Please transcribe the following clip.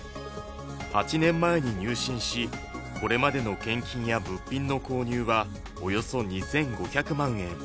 ８年前に入信し、これまでの献金や物品の購入はおよそ２５００万円。